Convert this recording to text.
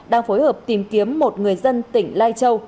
đang phối hợp tìm kiếm một người dân tỉnh lai châu